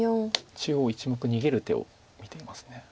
中央１目逃げる手を見ています。